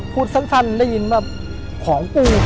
พูดสั้นได้ยินว่าของกู